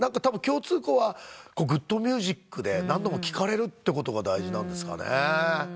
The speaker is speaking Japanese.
たぶん共通項はグッドミュージックで何度も聞かれるってことが大事なんですかね。